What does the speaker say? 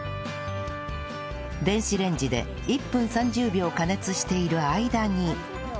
電子レンジで１分３０秒加熱している間に